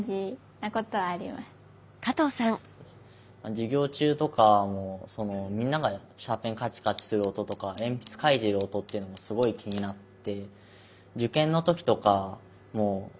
授業中とかもみんながシャーペンカチカチする音とか鉛筆書いてる音っていうのがすごい気になって。